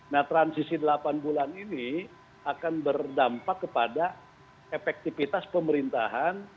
nah transisi delapan bulan ini akan berdampak kepada efektivitas pemerintahan